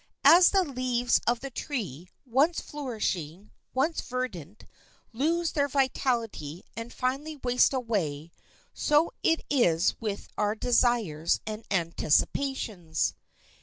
As the leaves of the tree, once flourishing, once verdant, lose their vitality and finally waste away, so it is with our desires and anticipations.